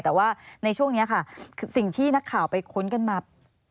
แต่ว่าในช่วงนี้ค่ะสิ่งที่นักข่าวไปค้นกันมา